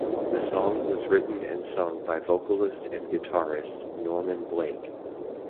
The song was written and sung by vocalist and guitarist Norman Blake.